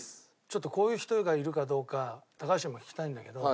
ちょっとこういう人がいるかどうか高橋にも聞きたいんだけど。